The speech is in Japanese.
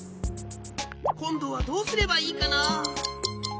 こんどはどうすればいいかな？